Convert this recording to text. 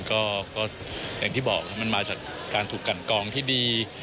คืออย่างที่บอกมากับการถูกกัดกองที่ดี